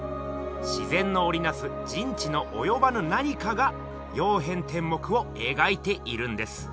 自然のおりなす人知のおよばぬ何かが「曜変天目」をえがいているんです。